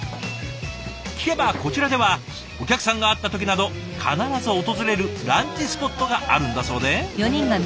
聞けばこちらではお客さんがあった時など必ず訪れるランチスポットがあるんだそうで。